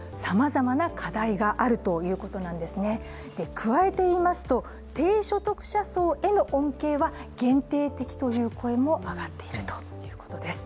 加えていいますと、低所得者層への恩恵は限定的という声も上がっているということです。